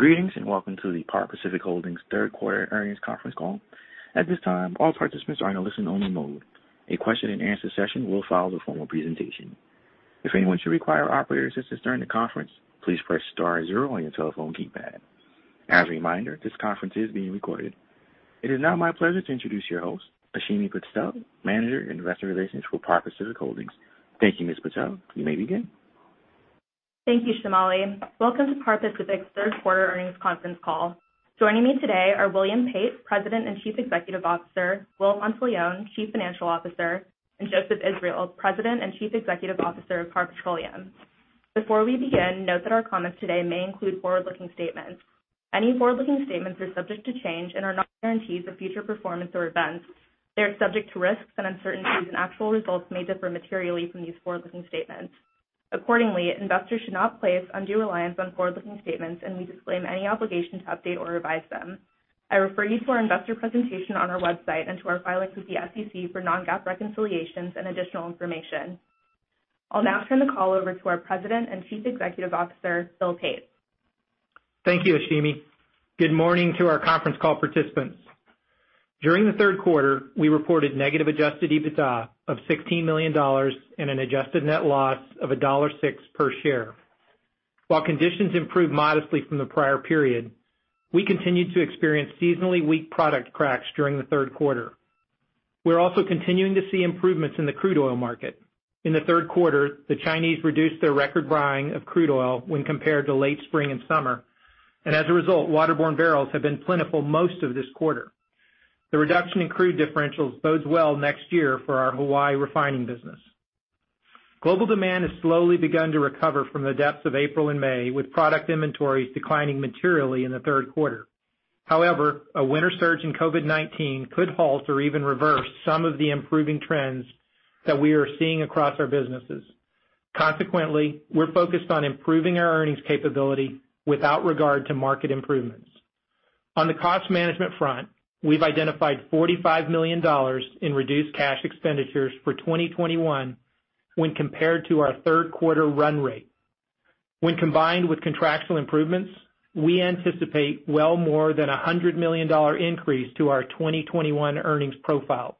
Greetings and welcome to the Par Pacific Holdings third quarter earnings conference call. At this time, all participants are in a listen-only mode. A question-and-answer session will follow the formal presentation. If anyone should require operator assistance during the conference, please press star zero on your telephone keypad. As a reminder, this conference is being recorded. It is now my pleasure to introduce your host, Ashimi Patel, Manager of Investor Relations for Par Pacific Holdings. Thank you, Ms. Patel. You may begin. Thank you, Shamali. Welcome to Par Pacific's third quarter earnings conference call. Joining me today are William Pate, President and Chief Executive Officer; Will Monteleone, Chief Financial Officer; and Joseph Israel, President and Chief Executive Officer of Par Petroleum. Before we begin, note that our comments today may include forward-looking statements. Any forward-looking statements are subject to change and are not guarantees of future performance or events. They are subject to risks and uncertainties, and actual results may differ materially from these forward-looking statements. Accordingly, investors should not place undue reliance on forward-looking statements, and we disclaim any obligation to update or revise them. I refer you to our investor presentation on our website and to our filings with the SEC for non-GAAP reconciliations and additional information. I'll now turn the call over to our President and Chief Executive Officer, Bill Pate. Thank you, Ashimi. Good morning to our conference call participants. During the third quarter, we reported negative adjusted EBITDA of $16 million and an adjusted net loss of $1.06 per share. While conditions improved modestly from the prior period, we continued to experience seasonally weak product cracks during the third quarter. We're also continuing to see improvements in the crude oil market. In the third quarter, the Chinese reduced their record buying of crude oil when compared to late spring and summer, and as a result, waterborne barrels have been plentiful most of this quarter. The reduction in crude differentials bodes well next year for our Hawaii refining business. Global demand has slowly begun to recover from the depths of April and May, with product inventories declining materially in the third quarter. However, a winter surge in COVID-19 could halt or even reverse some of the improving trends that we are seeing across our businesses. Consequently, we're focused on improving our earnings capability without regard to market improvements. On the cost management front, we've identified $45 million in reduced cash expenditures for 2021 when compared to our third quarter run rate. When combined with contractual improvements, we anticipate well more than a $100 million increase to our 2021 earnings profile.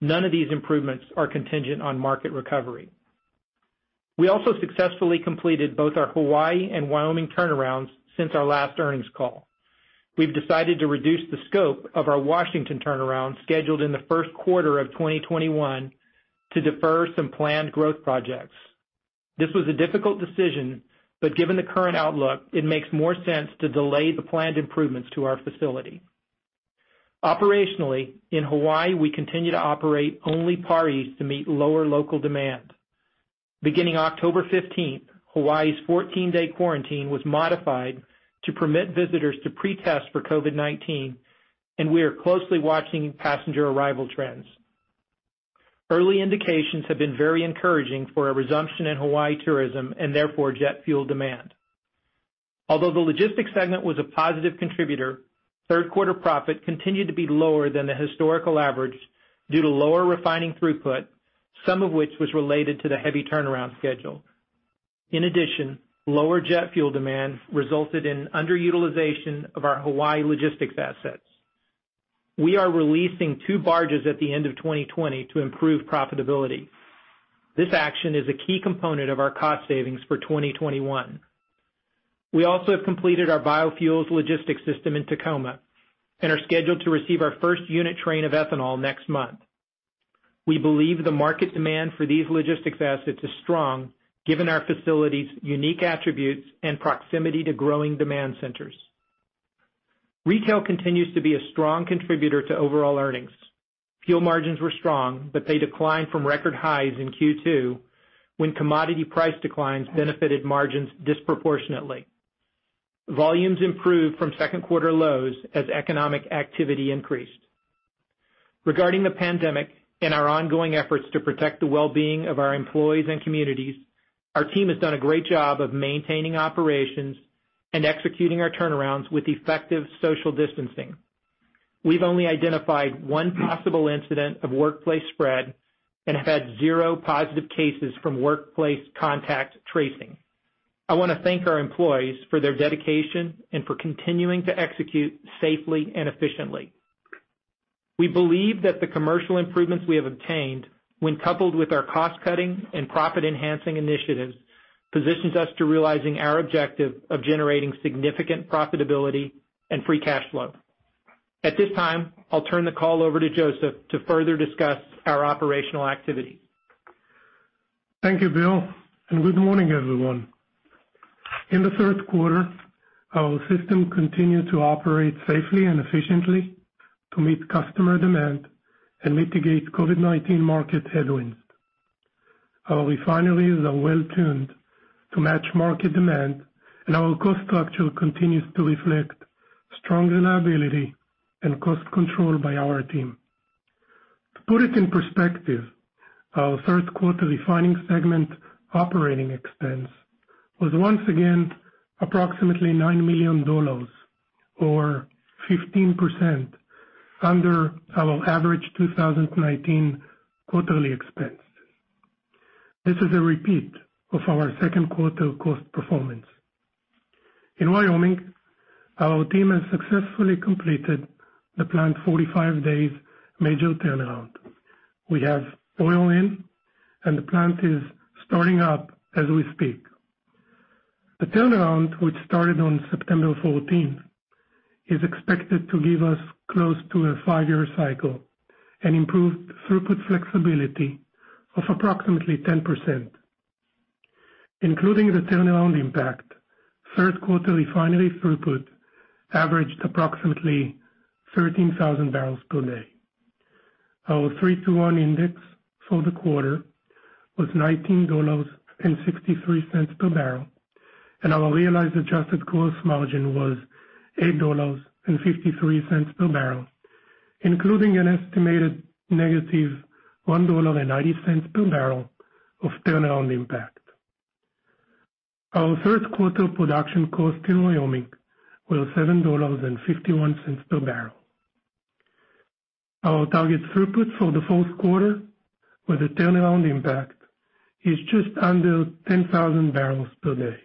None of these improvements are contingent on market recovery. We also successfully completed both our Hawaii and Wyoming turnarounds since our last earnings call. We've decided to reduce the scope of our Washington turnaround scheduled in the first quarter of 2021 to defer some planned growth projects. This was a difficult decision, but given the current outlook, it makes more sense to delay the planned improvements to our facility. Operationally, in Hawaii, we continue to operate only Par East to meet lower local demand. Beginning October 15th, Hawaii's 14-day quarantine was modified to permit visitors to pretest for COVID-19, and we are closely watching passenger arrival trends. Early indications have been very encouraging for a resumption in Hawaii tourism and therefore jet fuel demand. Although the logistics segment was a positive contributor, third quarter profit continued to be lower than the historical average due to lower refining throughput, some of which was related to the heavy turnaround schedule. In addition, lower jet fuel demand resulted in underutilization of our Hawaii logistics assets. We are releasing two barges at the end of 2020 to improve profitability. This action is a key component of our cost savings for 2021. We also have completed our biofuels logistics system in Tacoma and are scheduled to receive our first unit train of ethanol next month. We believe the market demand for these logistics assets is strong given our facility's unique attributes and proximity to growing demand centers. Retail continues to be a strong contributor to overall earnings. Fuel margins were strong, but they declined from record highs in Q2 when commodity price declines benefited margins disproportionately. Volumes improved from second quarter lows as economic activity increased. Regarding the pandemic and our ongoing efforts to protect the well-being of our employees and communities, our team has done a great job of maintaining operations and executing our turnarounds with effective social distancing. We've only identified one possible incident of workplace spread and have had zero positive cases from workplace contact tracing. I want to thank our employees for their dedication and for continuing to execute safely and efficiently. We believe that the commercial improvements we have obtained, when coupled with our cost-cutting and profit-enhancing initiatives, positions us to realizing our objective of generating significant profitability and free cash flow. At this time, I'll turn the call over to Joseph to further discuss our operational activities. Thank you, Bill, and good morning, everyone. In the third quarter, our system continued to operate safely and efficiently to meet customer demand and mitigate COVID-19 market headwinds. Our refineries are well-tuned to match market demand, and our cost structure continues to reflect strong reliability and cost control by our team. To put it in perspective, our third quarter refining segment operating expense was once again approximately $9 million, or 15% under our average 2019 quarterly expense. This is a repeat of our second quarter cost performance. In Wyoming, our team has successfully completed the planned 45-day major turnaround. We have oil in, and the plant is starting up as we speak. The turnaround, which started on September 14th, is expected to give us close to a five-year cycle and improved throughput flexibility of approximately 10%. Including the turnaround impact, third quarter refinery throughput averaged approximately 13,000 barrels per day. Our 3:1 index for the quarter was $19.63 per barrel, and our realized adjusted gross margin was $8.53 per barrel, including an estimated negative $1.90 per barrel of turnaround impact. Our third quarter production cost in Wyoming was $7.51 per barrel. Our target throughput for the fourth quarter with the turnaround impact is just under 10,000 barrels per day.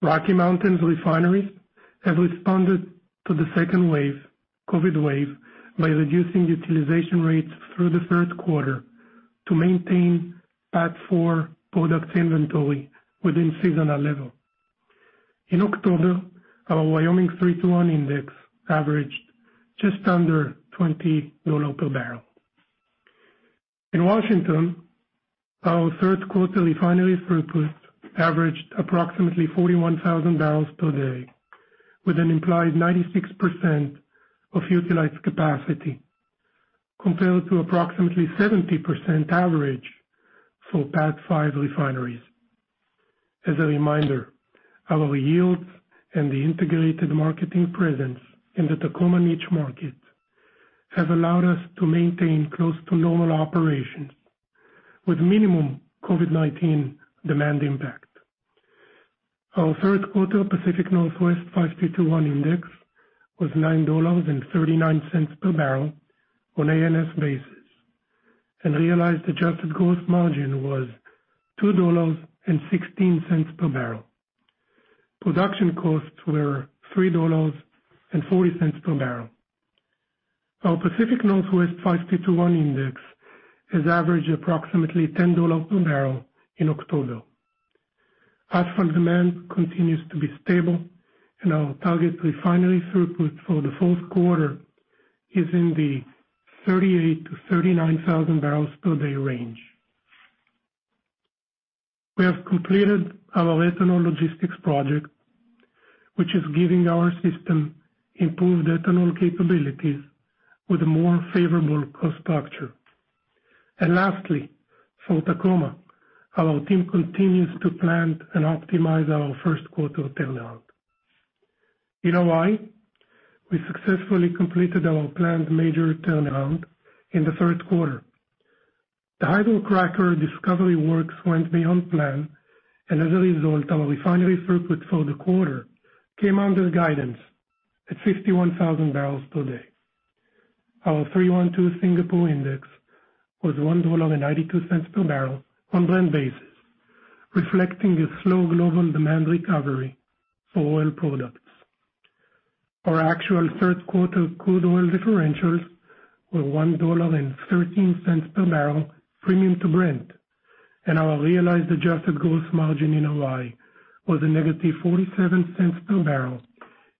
Rocky Mountain Refineries has responded to the second wave, COVID wave, by reducing utilization rates through the third quarter to maintain PAT4 product inventory within seasonal level. In October, our Wyoming 3:1 index averaged just under $20 per barrel. In Washington, our third quarter refineries throughput averaged approximately 41,000 barrels per day, with an implied 96% of utilized capacity compared to approximately 70% average for PAT5 refineries. As a reminder, our yields and the integrated marketing presence in the Tacoma niche market have allowed us to maintain close to normal operations with minimum COVID-19 demand impact. Our third quarter Pacific Northwest 5:2:1 index was $9.39 per barrel on ANS basis, and realized adjusted gross margin was $2.16 per barrel. Production costs were $3.40 per barrel. Our Pacific Northwest 5:2:1 index has averaged approximately $10 per barrel in October. Asphalt demand continues to be stable, and our target refinery throughput for the fourth quarter is in the 38,000-39,000 barrels per day range. We have completed our ethanol logistics project, which is giving our system improved ethanol capabilities with a more favorable cost structure. Lastly, for Tacoma, our team continues to plan and optimize our first quarter turnaround. In Hawaii, we successfully completed our planned major turnaround in the third quarter. The hydrocracker discovery works went beyond plan, and as a result, our refinery throughput for the quarter came under guidance at 51,000 barrels per day. Our 3:1:2 Singapore index was $1.92 per barrel on Brent basis, reflecting the slow global demand recovery for oil products. Our actual third quarter crude oil differentials were $1.13 per barrel premium to Brent, and our realized adjusted gross margin in Hawaii was a negative $0.47 per barrel,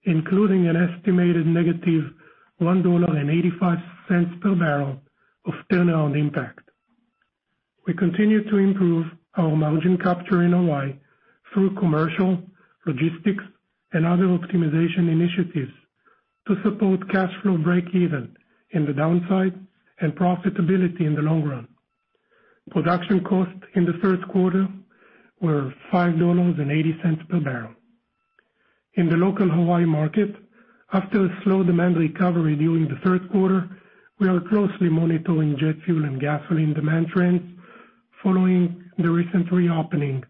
including an estimated negative $1.85 per barrel of turnaround impact. We continue to improve our margin capture in Hawaii through commercial, logistics, and other optimization initiatives to support cash flow break-even in the downside and profitability in the long run. Production costs in the third quarter were $5.80 per barrel. In the local Hawaii market, after a slow demand recovery during the third quarter, we are closely monitoring jet fuel and gasoline demand trends following the recent reopening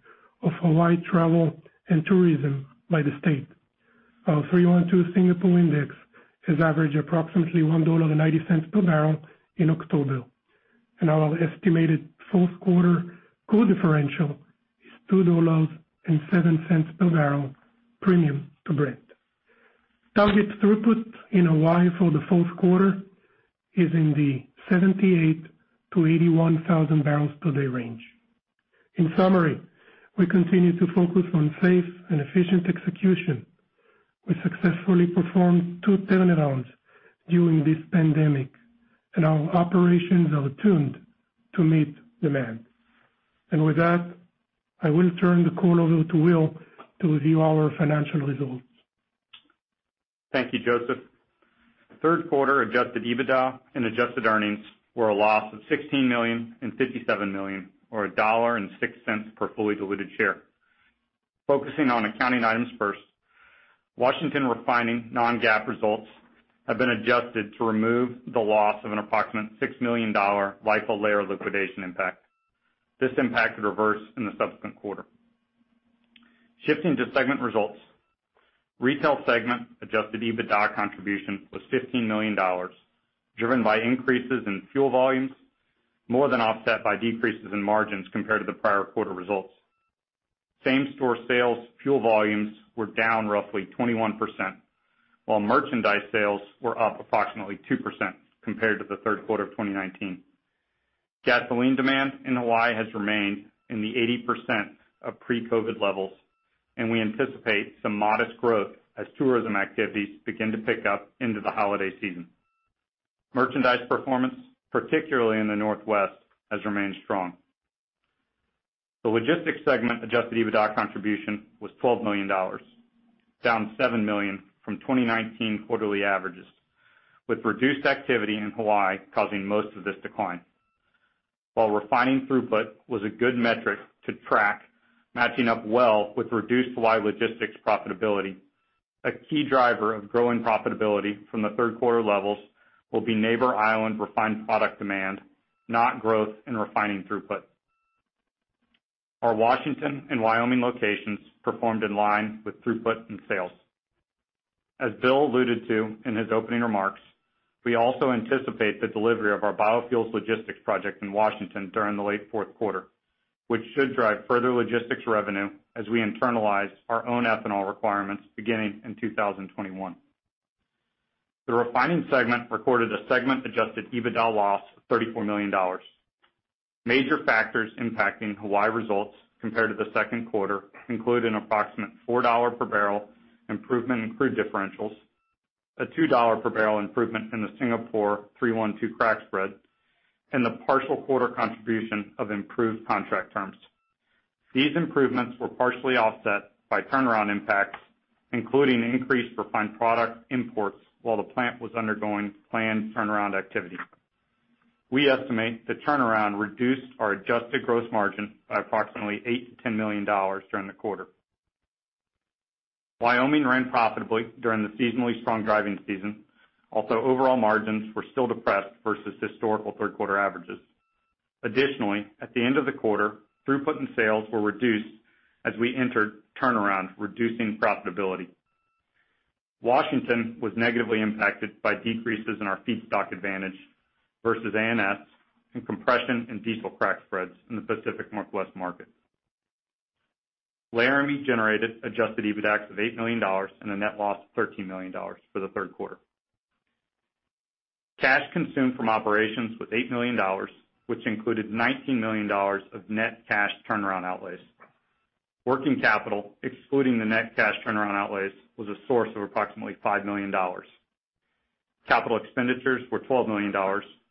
of Hawaii travel and tourism by the state. Our 3:1:2 Singapore index has averaged approximately $1.90 per barrel in October, and our estimated fourth quarter crude differential is $2.07 per barrel premium to Brent. Target throughput in Hawaii for the fourth quarter is in the 78,000-81,000 barrels per day range. In summary, we continue to focus on safe and efficient execution. We successfully performed two turnarounds during this pandemic, and our operations are tuned to meet demand. With that, I will turn the call over to Will to review our financial results. Thank you, Joseph. Third quarter adjusted EBITDA and adjusted earnings were a loss of $16 million and $57 million, or $1.06 per fully diluted share. Focusing on accounting items first, Washington refining non-GAAP results have been adjusted to remove the loss of an approximate $6 million LIFO layer liquidation impact. This impact reversed in the subsequent quarter. Shifting to segment results, retail segment adjusted EBITDA contribution was $15 million, driven by increases in fuel volumes, more than offset by decreases in margins compared to the prior quarter results. Same-store sales fuel volumes were down roughly 21%, while merchandise sales were up approximately 2% compared to the third quarter of 2019. Gasoline demand in Hawaii has remained in the 80% of pre-COVID levels, and we anticipate some modest growth as tourism activities begin to pick up into the holiday season. Merchandise performance, particularly in the Northwest, has remained strong. The logistics segment adjusted EBITDA contribution was $12 million, down $7 million from 2019 quarterly averages, with reduced activity in Hawaii causing most of this decline. While refining throughput was a good metric to track, matching up well with reduced Hawaii logistics profitability, a key driver of growing profitability from the third quarter levels will be neighbor island refined product demand, not growth in refining throughput. Our Washington and Wyoming locations performed in line with throughput and sales. As Bill alluded to in his opening remarks, we also anticipate the delivery of our biofuels logistics project in Washington during the late fourth quarter, which should drive further logistics revenue as we internalize our own ethanol requirements beginning in 2021. The refining segment recorded a segment-adjusted EBITDA loss of $34 million. Major factors impacting Hawaii results compared to the second quarter include an approximate $4 per barrel improvement in crude differentials, a $2 per barrel improvement in the Singapore 3:1:2 crack spread, and the partial quarter contribution of improved contract terms. These improvements were partially offset by turnaround impacts, including increased refined product imports while the plant was undergoing planned turnaround activity. We estimate the turnaround reduced our adjusted gross margin by approximately $8-$10 million during the quarter. Wyoming ran profitably during the seasonally strong driving season, although overall margins were still depressed versus historical third quarter averages. Additionally, at the end of the quarter, throughput and sales were reduced as we entered turnaround, reducing profitability. Washington was negatively impacted by decreases in our feedstock advantage versus ANS and compression and diesel crack spreads in the Pacific Northwest market. Laramie generated adjusted EBITDA of $8 million and a net loss of $13 million for the third quarter. Cash consumed from operations was $8 million, which included $19 million of net cash turnaround outlays. Working capital, excluding the net cash turnaround outlays, was a source of approximately $5 million. Capital expenditures were $12 million,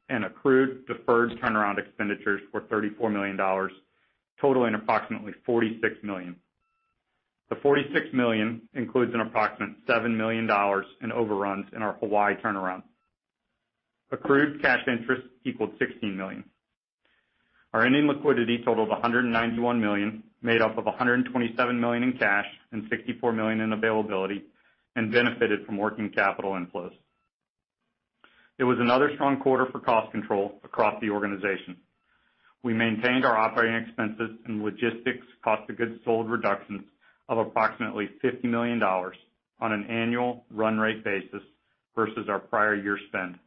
and accrued deferred turnaround expenditures were $34 million, totaling approximately $46 million. The $46 million includes an approximate $7 million in overruns in our Hawaii turnaround. Accrued cash interest equaled $16 million. Our ending liquidity totaled $191 million, made up of $127 million in cash and $64 million in availability, and benefited from working capital inflows. It was another strong quarter for cost control across the organization. We maintained our operating expenses and logistics cost of goods sold reductions of approximately $50 million on an annual run rate basis versus our prior year spend.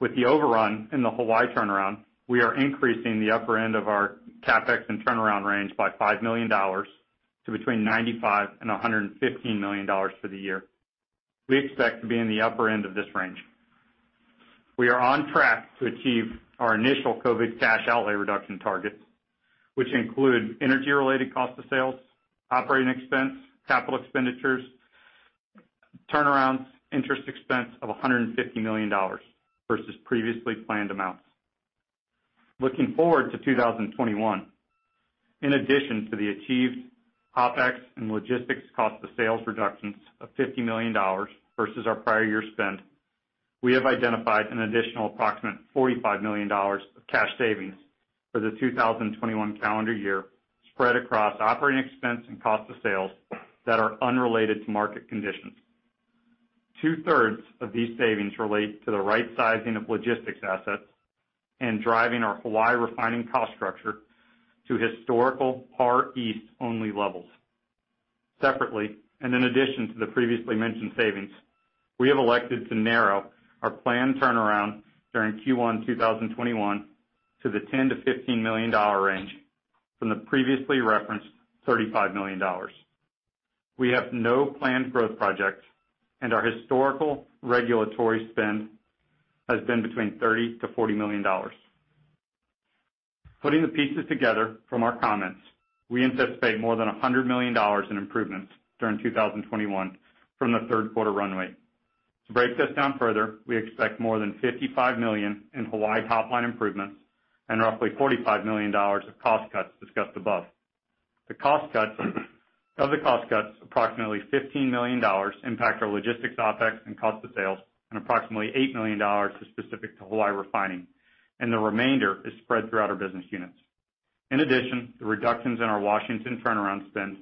With the overrun in the Hawaii turnaround, we are increasing the upper end of our CapEx and turnaround range by $5 million to between $95 million and $115 million for the year. We expect to be in the upper end of this range. We are on track to achieve our initial COVID cash outlay reduction targets, which include energy-related cost of sales, operating expense, capital expenditures, turnarounds, interest expense of $150 million versus previously planned amounts. Looking forward to 2021, in addition to the achieved OpEx and logistics cost of sales reductions of $50 million versus our prior year spend, we have identified an additional approximate $45 million of cash savings for the 2021 calendar year spread across operating expense and cost of sales that are unrelated to market conditions. Two-thirds of these savings relate to the right sizing of logistics assets and driving our Hawaii refining cost structure to historical REs-only levels. Separately, and in addition to the previously mentioned savings, we have elected to narrow our planned turnaround during Q1 2021 to the $10-$15 million range from the previously referenced $35 million. We have no planned growth projects, and our historical regulatory spend has been between $30-$40 million. Putting the pieces together from our comments, we anticipate more than $100 million in improvements during 2021 from the third quarter runway. To break this down further, we expect more than $55 million in Hawaii top-line improvements and roughly $45 million of cost cuts discussed above. The cost cuts of the cost cuts, approximately $15 million, impact our logistics OpEx and cost of sales and approximately $8 million specific to Hawaii refining, and the remainder is spread throughout our business units. In addition, the reductions in our Washington turnaround spend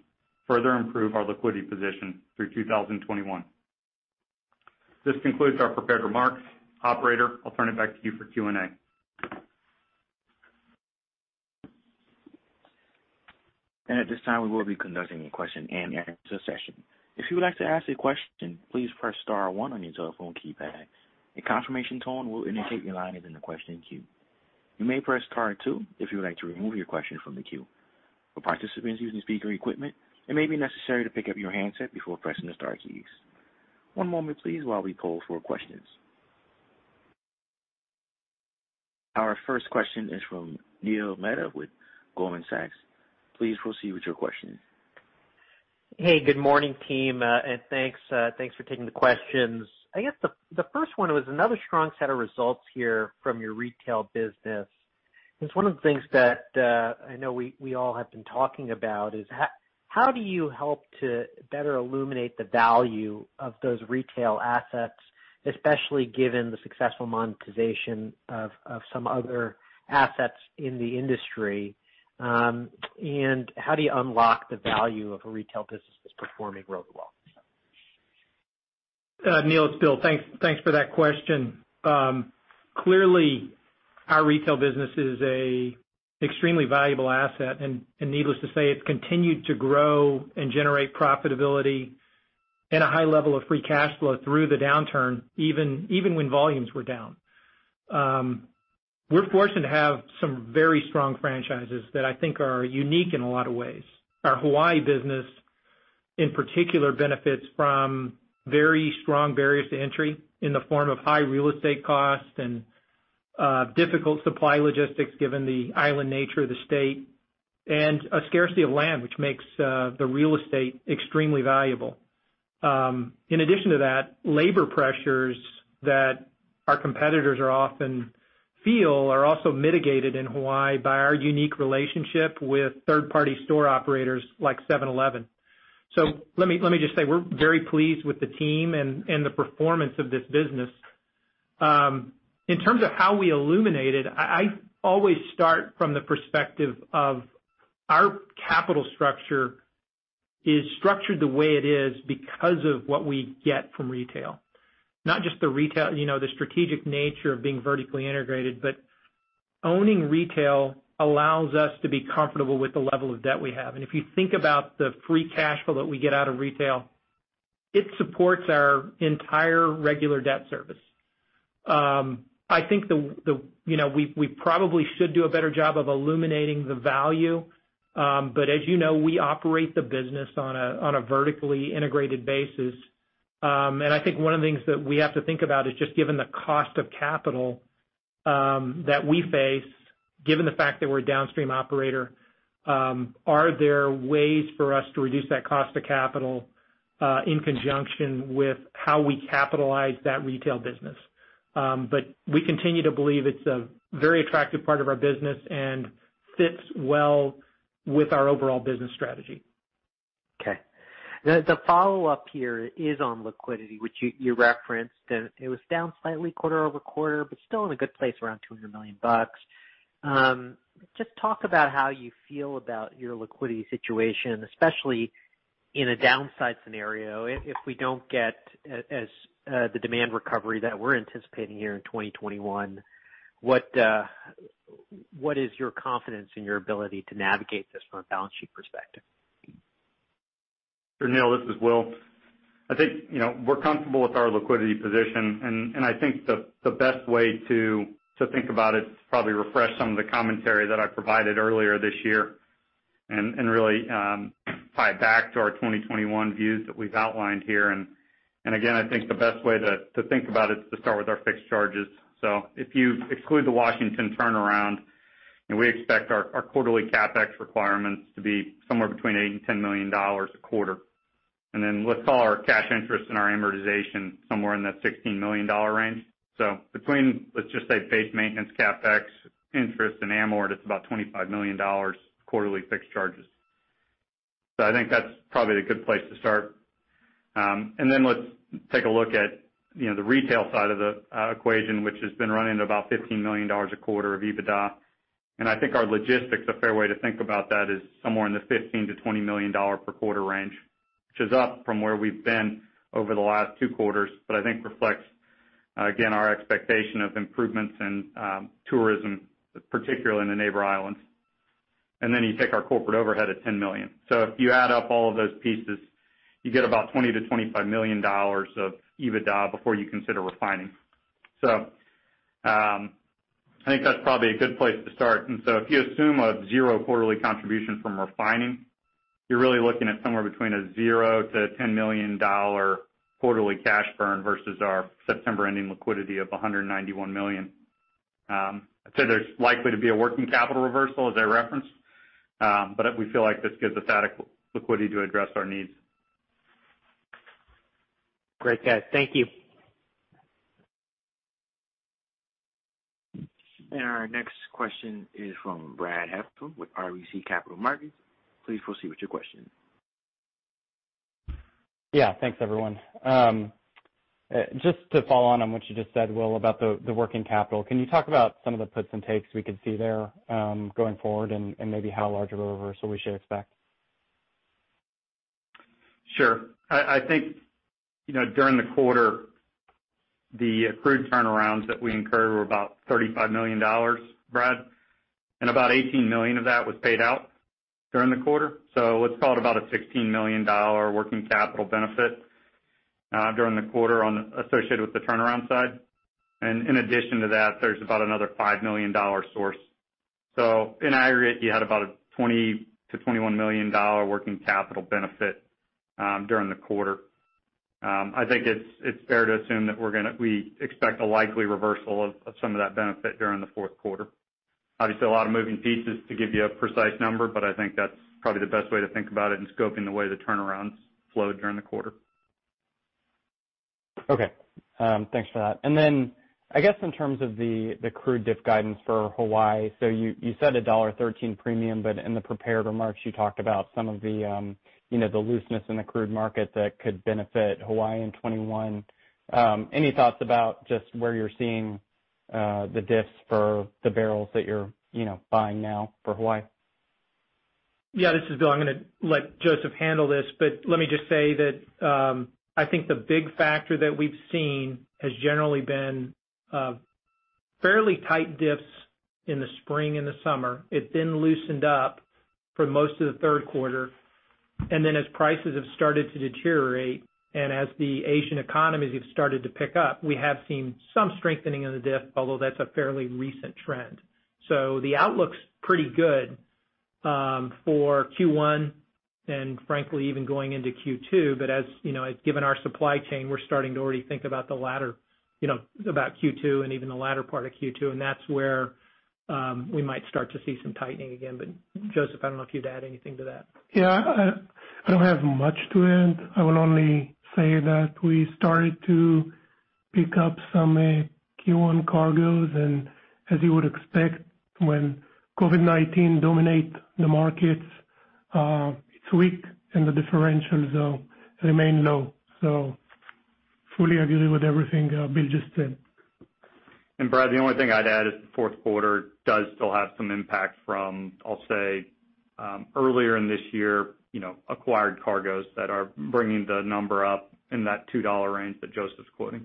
further improve our liquidity position through 2021. This concludes our prepared remarks. Operator, I'll turn it back to you for Q&A. At this time, we will be conducting a question and answer session. If you would like to ask a question, please press star one on your telephone keypad. A confirmation tone will indicate your line is in the question queue. You may press star two if you would like to remove your question from the queue. For participants using speaker equipment, it may be necessary to pick up your handset before pressing the star keys. One moment, please, while we pull for questions. Our first question is from Neil Mehta with Goldman Sachs. Please proceed with your question. Hey, good morning, team, and thanks for taking the questions. I guess the first one was another strong set of results here from your retail business. It's one of the things that I know we all have been talking about is how do you help to better illuminate the value of those retail assets, especially given the successful monetization of some other assets in the industry? How do you unlock the value of a retail business that's performing really well? Neil, it's Bill. Thanks for that question. Clearly, our retail business is an extremely valuable asset, and needless to say, it's continued to grow and generate profitability and a high level of free cash flow through the downturn, even when volumes were down. We're fortunate to have some very strong franchises that I think are unique in a lot of ways. Our Hawaii business, in particular, benefits from very strong barriers to entry in the form of high real estate costs and difficult supply logistics, given the island nature of the state and a scarcity of land, which makes the real estate extremely valuable. In addition to that, labor pressures that our competitors often feel are also mitigated in Hawaii by our unique relationship with third-party store operators like 7-Eleven. Let me just say, we're very pleased with the team and the performance of this business. In terms of how we illuminate it, I always start from the perspective of our capital structure is structured the way it is because of what we get from retail, not just the strategic nature of being vertically integrated, but owning retail allows us to be comfortable with the level of debt we have. If you think about the free cash flow that we get out of retail, it supports our entire regular debt service. I think we probably should do a better job of illuminating the value, but as you know, we operate the business on a vertically integrated basis. I think one of the things that we have to think about is just given the cost of capital that we face, given the fact that we're a downstream operator, are there ways for us to reduce that cost of capital in conjunction with how we capitalize that retail business? We continue to believe it's a very attractive part of our business and fits well with our overall business strategy. Okay. The follow-up here is on liquidity, which you referenced. It was down slightly quarter over quarter, but still in a good place around $200 million bucks. Just talk about how you feel about your liquidity situation, especially in a downside scenario. If we do not get the demand recovery that we are anticipating here in 2021, what is your confidence in your ability to navigate this from a balance sheet perspective? For Neil, this is Will. I think we're comfortable with our liquidity position, and I think the best way to think about it is probably to refresh some of the commentary that I provided earlier this year and really tie it back to our 2021 views that we've outlined here. I think the best way to think about it is to start with our fixed charges. If you exclude the Washington turnaround, we expect our quarterly CapEx requirements to be somewhere between $8 million and $10 million a quarter. Let's call our cash interest and our amortization somewhere in that $16 million range. Between, let's just say, base maintenance CapEx, interest, and amort, it's about $25 million quarterly fixed charges. I think that's probably a good place to start. Let's take a look at the retail side of the equation, which has been running at about $15 million a quarter of EBITDA. I think our logistics, a fair way to think about that, is somewhere in the $15-20 million per quarter range, which is up from where we've been over the last two quarters, but I think reflects, again, our expectation of improvements in tourism, particularly in the neighbor islands. You take our corporate overhead at $10 million. If you add up all of those pieces, you get about $20-25 million of EBITDA before you consider refining. I think that's probably a good place to start. If you assume a zero quarterly contribution from refining, you're really looking at somewhere between a $0-$10 million quarterly cash burn versus our September ending liquidity of $191 million. I'd say there's likely to be a working capital reversal, as I referenced, but we feel like this gives us adequate liquidity to address our needs. Great, thank you. Our next question is from Brad Heftler with RBC Capital Markets. Please proceed with your question. Yeah. Thanks, everyone. Just to follow on what you just said, Will, about the working capital, can you talk about some of the puts and takes we could see there going forward and maybe how large of a reversal we should expect? Sure. I think during the quarter, the accrued turnarounds that we incurred were about $35 million, Brad, and about $18 million of that was paid out during the quarter. Let's call it about a $16 million working capital benefit during the quarter associated with the turnaround side. In addition to that, there is about another $5 million source. In aggregate, you had about a $20-$21 million working capital benefit during the quarter. I think it is fair to assume that we expect a likely reversal of some of that benefit during the fourth quarter. Obviously, a lot of moving pieces to give you a precise number, but I think that is probably the best way to think about it in scoping the way the turnarounds flowed during the quarter. Okay. Thanks for that. I guess in terms of the accrued diff guidance for Hawaii, you said a $1.13 premium, but in the prepared remarks, you talked about some of the looseness in the accrued market that could benefit Hawaii in 2021. Any thoughts about just where you're seeing the diffs for the barrels that you're buying now for Hawaii? Yeah, this is Bill. I'm going to let Joseph handle this, but let me just say that I think the big factor that we've seen has generally been fairly tight diffs in the spring and the summer. It then loosened up for most of the third quarter. As prices have started to deteriorate and as the Asian economies have started to pick up, we have seen some strengthening of the diff, although that's a fairly recent trend. The outlook's pretty good for Q1 and, frankly, even going into Q2. As given our supply chain, we're starting to already think about the latter, about Q2 and even the latter part of Q2. That's where we might start to see some tightening again. Joseph, I don't know if you'd add anything to that. Yeah. I do not have much to add. I will only say that we started to pick up some Q1 cargoes. As you would expect, when COVID-19 dominates the markets, it is weak and the differentials remain low. I fully agree with everything Bill just said. Brad, the only thing I'd add is the fourth quarter does still have some impact from, I'll say, earlier in this year, acquired cargoes that are bringing the number up in that $2 range that Joseph's quoting.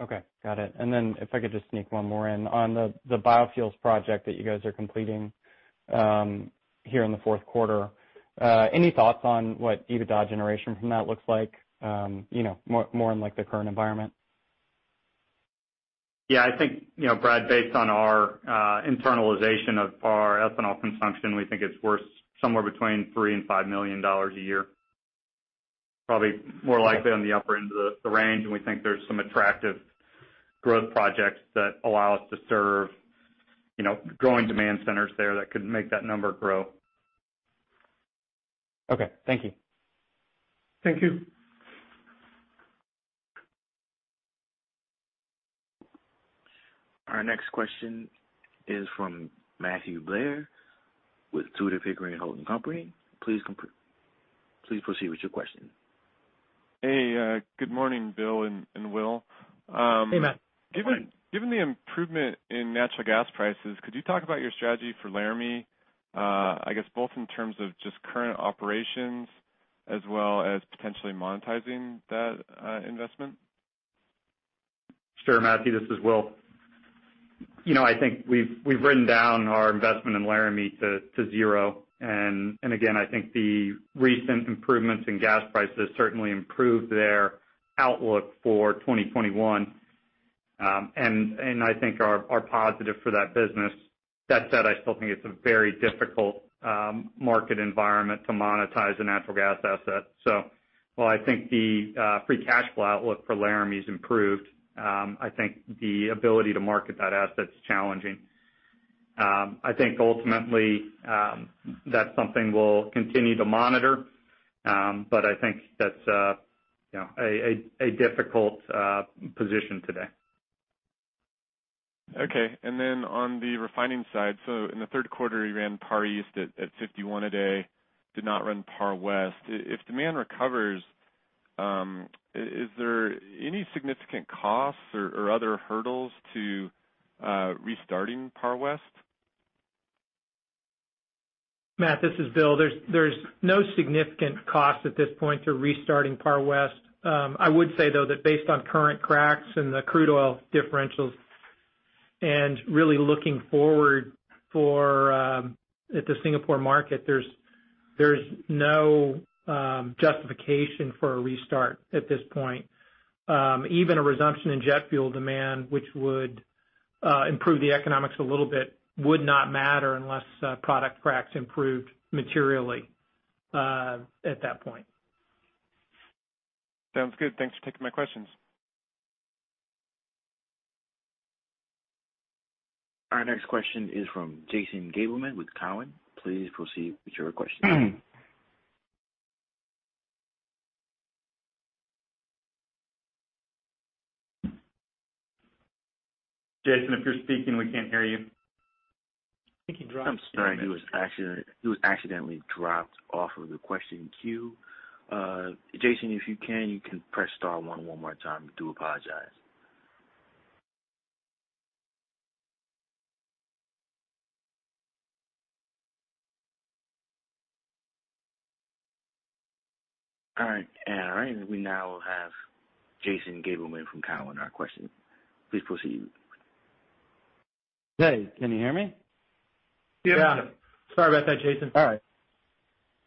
Okay. Got it. If I could just sneak one more in on the biofuels project that you guys are completing here in the fourth quarter, any thoughts on what EBITDA generation from that looks like, more in the current environment? Yeah. I think, Brad, based on our internalization of our ethanol consumption, we think it's worth somewhere between $3 million and $5 million a year, probably more likely on the upper end of the range. We think there's some attractive growth projects that allow us to serve growing demand centers there that could make that number grow. Okay. Thank you. Thank you. Our next question is from Matthew Blair with Tudor Pickering Holding Company. Please proceed with your question. Hey, good morning, Bill and Will. Hey, Matt. Given the improvement in natural gas prices, could you talk about your strategy for Laramie, I guess, both in terms of just current operations as well as potentially monetizing that investment? Sure, Matthew. This is Will. I think we've written down our investment in Laramie to zero. I think the recent improvements in gas prices certainly improved their outlook for 2021. I think are positive for that business. That said, I still think it's a very difficult market environment to monetize a natural gas asset. While I think the free cash flow outlook for Laramie has improved, I think the ability to market that asset's challenging. I think ultimately that's something we'll continue to monitor, but I think that's a difficult position today. Okay. On the refining side, in the third quarter, you ran PAR East at 51 a day, did not run PAR West. If demand recovers, is there any significant costs or other hurdles to restarting PAR West? Matt, this is Bill. There's no significant cost at this point to restarting Par West. I would say, though, that based on current cracks in the crude oil differentials and really looking forward at the Singapore market, there's no justification for a restart at this point. Even a resumption in jet fuel demand, which would improve the economics a little bit, would not matter unless product cracks improved materially at that point. Sounds good. Thanks for taking my questions. Our next question is from Jason Gabelman with Cowen. Please proceed with your question. Jason, if you're speaking, we can't hear you. I'm sorry. He was accidentally dropped off of the question queue. Jason, if you can, you can press star one one more time. I do apologize. All right. We now have Jason Gabelman from Cowen on our question. Please proceed. Hey, can you hear me? Yeah. Sorry about that, Jason. All right.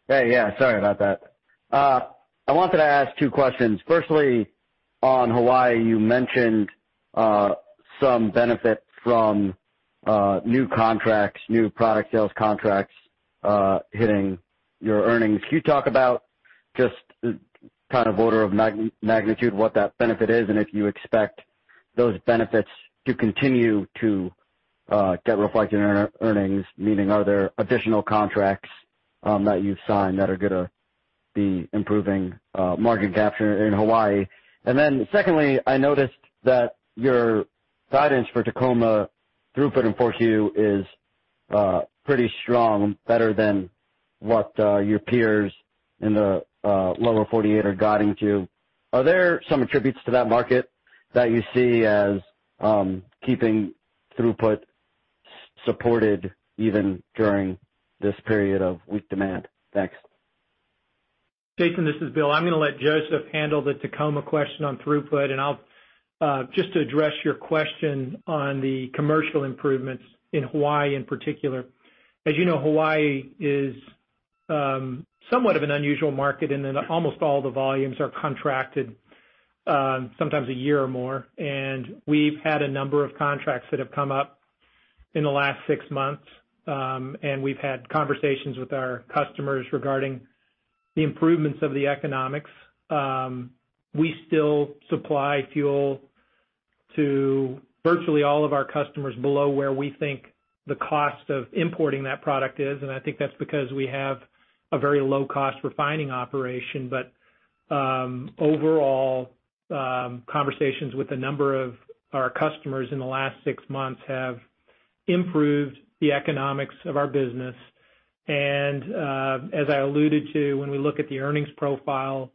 Hey, yeah. Sorry about that. I wanted to ask two questions. Firstly, on Hawaii, you mentioned some benefit from new contracts, new product sales contracts hitting your earnings. Can you talk about just kind of order of magnitude what that benefit is and if you expect those benefits to continue to get reflected in earnings, meaning are there additional contracts that you've signed that are going to be improving margin capture in Hawaii? Secondly, I noticed that your guidance for Tacoma throughput and force you is pretty strong, better than what your peers in the lower 48 are guiding to. Are there some attributes to that market that you see as keeping throughput supported even during this period of weak demand? Thanks. Jason, this is Bill. I am going to let Joseph handle the Tacoma question on throughput. Just to address your question on the commercial improvements in Hawaii in particular, as you know, Hawaii is somewhat of an unusual market in that almost all the volumes are contracted, sometimes a year or more. We have had a number of contracts that have come up in the last six months, and we have had conversations with our customers regarding the improvements of the economics. We still supply fuel to virtually all of our customers below where we think the cost of importing that product is. I think that is because we have a very low-cost refining operation. Overall, conversations with a number of our customers in the last six months have improved the economics of our business. As I alluded to, when we look at the earnings profile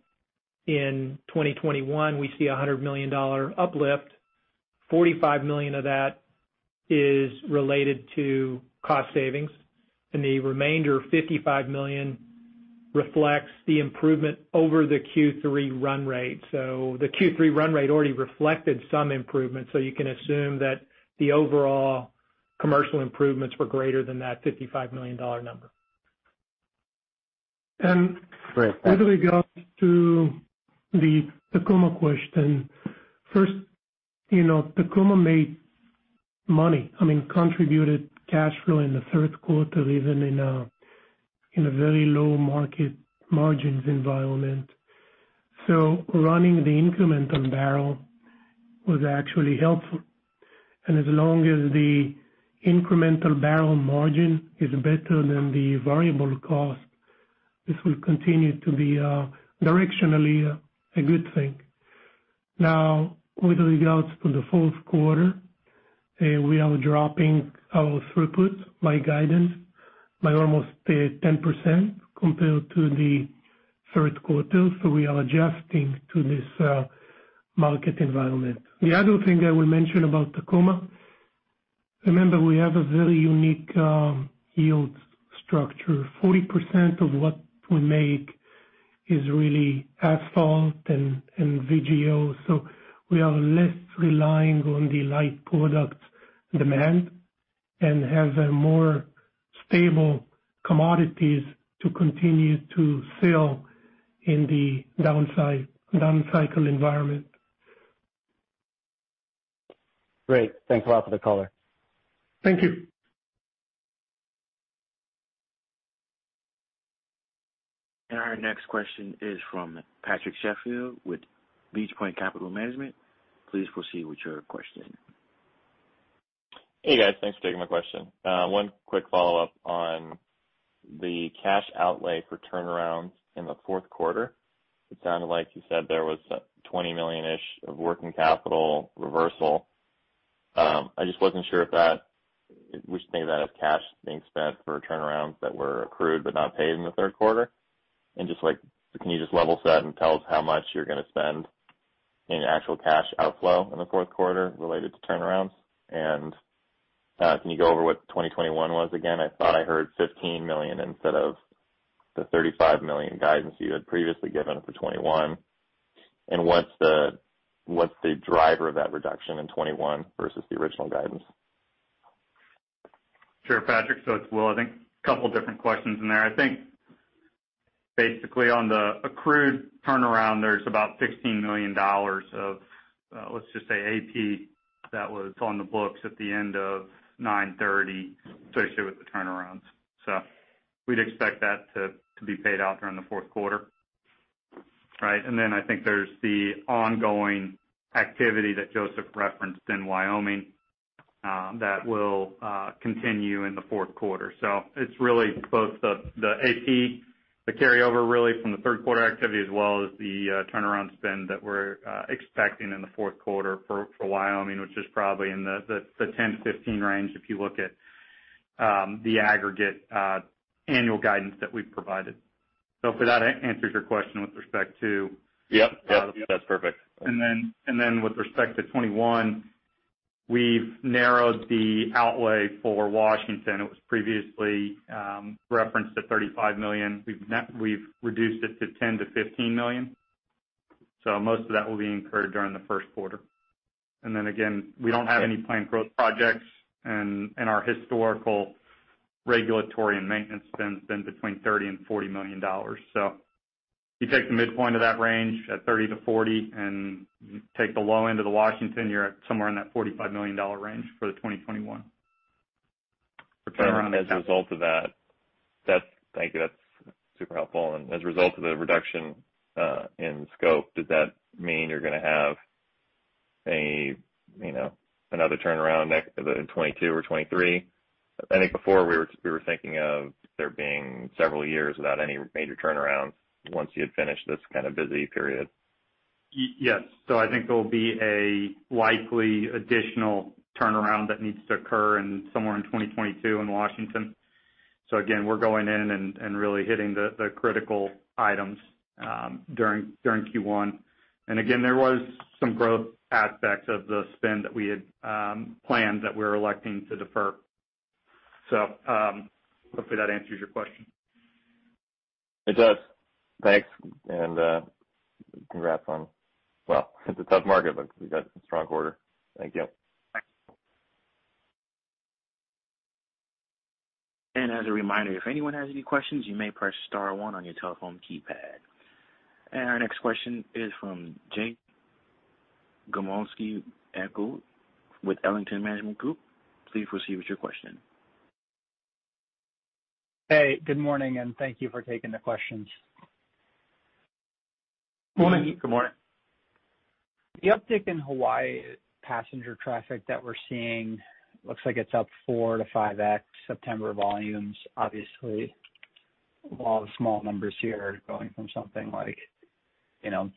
in 2021, we see a $100 million uplift. $45 million of that is related to cost savings. The remainder of $55 million reflects the improvement over the Q3 run rate. The Q3 run rate already reflected some improvement. You can assume that the overall commercial improvements were greater than that $55 million number. Before we go to the Tacoma question, first, Tacoma made money, I mean, contributed cash flow in the third quarter, even in a very low market margins environment. Running the incremental barrel was actually helpful. As long as the incremental barrel margin is better than the variable cost, this will continue to be directionally a good thing. Now, with regards to the fourth quarter, we are dropping our throughput guidance by almost 10% compared to the third quarter. We are adjusting to this market environment. The other thing I will mention about Tacoma, remember we have a very unique yield structure. Forty percent of what we make is really asphalt and VGO. We are less relying on the light product demand and have more stable commodities to continue to sell in the downside down cycle environment. Great. Thanks a lot for the call. Thank you. Our next question is from Patrick Sheffield with Beach Point Capital Management. Please proceed with your question. Hey, guys. Thanks for taking my question. One quick follow-up on the cash outlay for turnarounds in the fourth quarter. It sounded like you said there was $20 million-ish of working capital reversal. I just wasn't sure if that we should think of that as cash being spent for turnarounds that were accrued but not paid in the third quarter. Can you just level set and tell us how much you're going to spend in actual cash outflow in the fourth quarter related to turnarounds? Can you go over what 2021 was again? I thought I heard $15 million instead of the $35 million guidance you had previously given for 2021. What's the driver of that reduction in 2021 versus the original guidance? Sure, Patrick. So it's Will, I think. A couple of different questions in there. I think basically on the accrued turnaround, there's about $16 million of, let's just say, AP that was on the books at the end of 9/30, associated with the turnarounds. We'd expect that to be paid out during the fourth quarter. Right? I think there's the ongoing activity that Joseph referenced in Wyoming that will continue in the fourth quarter. It's really both the AP, the carryover really from the third quarter activity, as well as the turnaround spend that we're expecting in the fourth quarter for Wyoming, which is probably in the $10 million-$15 million range if you look at the aggregate annual guidance that we've provided. If that answers your question with respect to. Yep. That's perfect. With respect to 2021, we've narrowed the outlay for Washington. It was previously referenced at $35 million. We've reduced it to $10-$15 million. Most of that will be incurred during the first quarter. We do not have any planned growth projects. Our historical regulatory and maintenance spend has been between $30-$40 million. If you take the midpoint of that range at $30-$40 million and take the low end of the Washington, you're at somewhere in that $45 million range for 2021. As a result of that, thank you. That's super helpful. As a result of the reduction in scope, does that mean you're going to have another turnaround in 2022 or 2023? I think before we were thinking of there being several years without any major turnarounds once you had finished this kind of busy period. Yes. I think there will be a likely additional turnaround that needs to occur somewhere in 2022 in Washington. We are going in and really hitting the critical items during Q1. There were some growth aspects of the spend that we had planned that we were electing to defer. Hopefully that answers your question. It does. Thanks. Congrats on, well, it's a tough market, but we've got a strong quarter. Thank you. Thanks. As a reminder, if anyone has any questions, you may press star one on your telephone keypad. Our next question is from Jay Gomolski with Ellington Management Group. Please proceed with your question. Hey, good morning. Thank you for taking the questions. Good morning. Good morning. The uptick in Hawaii passenger traffic that we're seeing looks like it's up four to five X September volumes, obviously. All the small numbers here are going from something like 1,500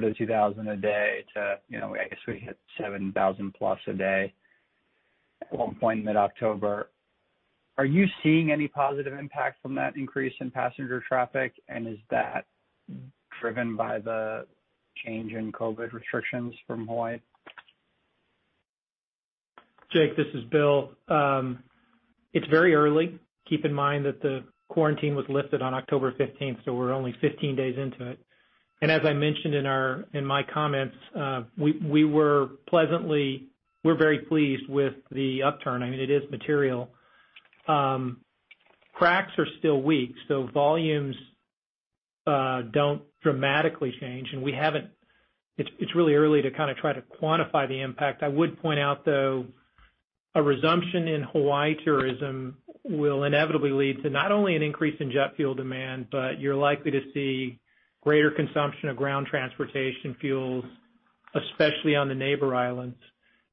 to 2,000 a day to, I guess we hit 7,000 plus a day at one point in mid-October. Are you seeing any positive impact from that increase in passenger traffic? Is that driven by the change in COVID restrictions from Hawaii? Jake, this is Bill. It's very early. Keep in mind that the quarantine was lifted on October 15th, so we're only 15 days into it. As I mentioned in my comments, we were pleasantly—we're very pleased with the upturn. I mean, it is material. Cracks are still weak. Volumes do not dramatically change. It's really early to kind of try to quantify the impact. I would point out, though, a resumption in Hawaii tourism will inevitably lead to not only an increase in jet fuel demand, but you're likely to see greater consumption of ground transportation fuels, especially on the neighbor islands.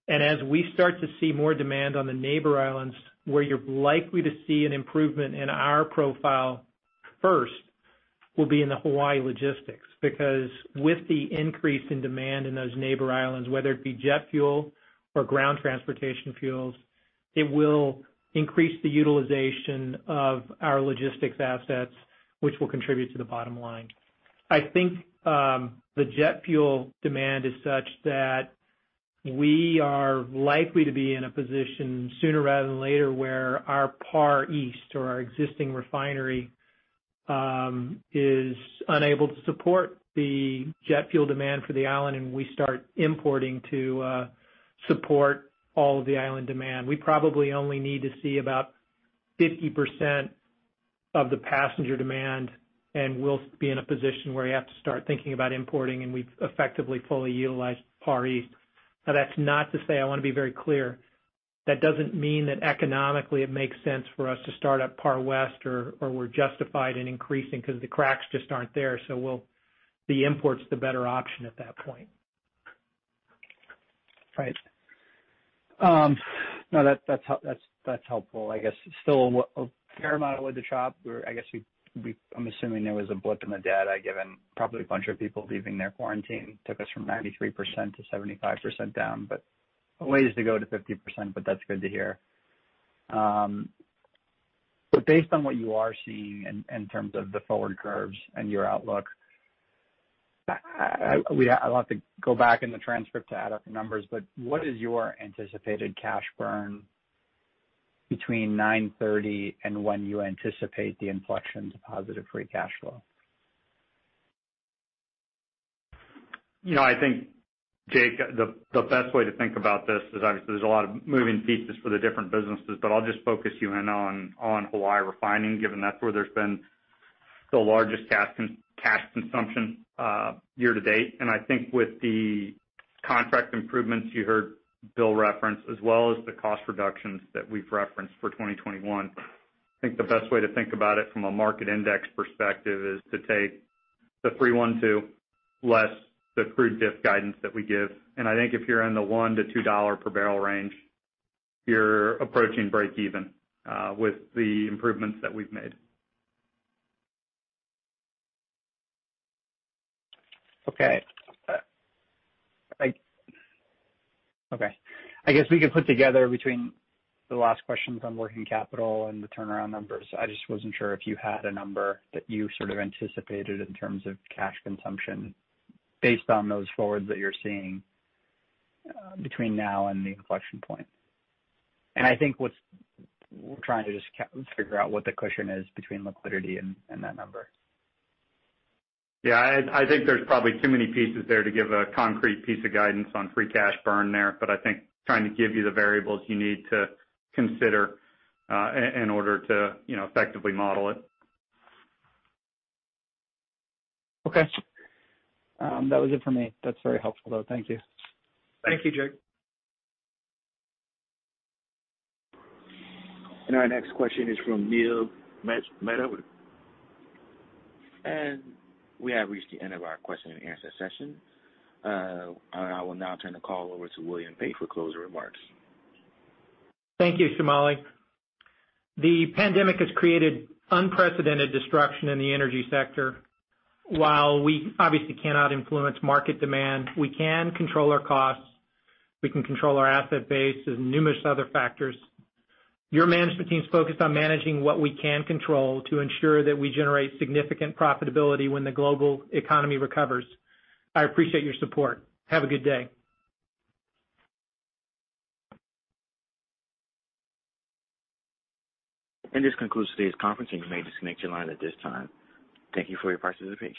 As we start to see more demand on the neighbor islands, where you're likely to see an improvement in our profile first will be in the Hawaii logistics. Because with the increase in demand in those neighbor islands, whether it be jet fuel or ground transportation fuels, it will increase the utilization of our logistics assets, which will contribute to the bottom line. I think the jet fuel demand is such that we are likely to be in a position sooner rather than later where our PAR East or our existing refinery is unable to support the jet fuel demand for the island, and we start importing to support all of the island demand. We probably only need to see about 50% of the passenger demand, and we'll be in a position where you have to start thinking about importing, and we've effectively fully utilized PAR East. Now, that's not to say—I want to be very clear—that doesn't mean that economically it makes sense for us to start at PAR West or we're justified in increasing because the cracks just aren't there. The import's the better option at that point. Right. No, that's helpful. I guess still a fair amount of wood to chop. I guess I'm assuming there was a blip in the data given probably a bunch of people leaving their quarantine took us from 93% to 75% down, a ways to go to 50%, that's good to hear. Based on what you are seeing in terms of the forward curves and your outlook, I'll have to go back in the transcript to add up the numbers, what is your anticipated cash burn between 9/30 and when you anticipate the inflection to positive free cash flow? I think, Jake, the best way to think about this is obviously there's a lot of moving pieces for the different businesses, but I'll just focus you in on Hawaii refining, given that's where there's been the largest cash consumption year to date. I think with the contract improvements you heard Bill reference, as well as the cost reductions that we've referenced for 2021, I think the best way to think about it from a market index perspective is to take the 3:1:2 less the crude diff guidance that we give. I think if you're in the $1-$2 per barrel range, you're approaching break even with the improvements that we've made. Okay. Okay. I guess we could put together between the last questions on working capital and the turnaround numbers. I just was not sure if you had a number that you sort of anticipated in terms of cash consumption based on those forwards that you are seeing between now and the inflection point. I think we are trying to just figure out what the cushion is between liquidity and that number. Yeah. I think there's probably too many pieces there to give a concrete piece of guidance on free cash burn there. I think trying to give you the variables you need to consider in order to effectively model it. Okay. That was it for me. That's very helpful, though. Thank you. Thank you, Jake. Our next question is from Neil Mehta. We have reached the end of our question and answer session. I will now turn the call over to William Pate for closing remarks. Thank you, Shumali. The pandemic has created unprecedented destruction in the energy sector. While we obviously cannot influence market demand, we can control our costs. We can control our asset base and numerous other factors. Your management team's focused on managing what we can control to ensure that we generate significant profitability when the global economy recovers. I appreciate your support. Have a good day. This concludes today's conference. You may disconnect your line at this time. Thank you for your participation.